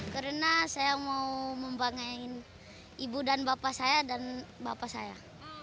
karena saya mau membangun ibu dan bapak saya dan bapak saya